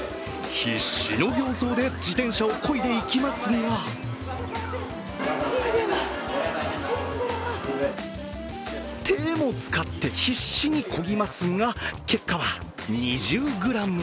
必死の形相で自転車をこいでいきますが手も使って必死にこぎますが、結果は２０ｇ。